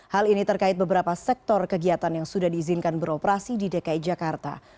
hal ini terkait beberapa sektor kegiatan yang sudah diizinkan beroperasi di dki jakarta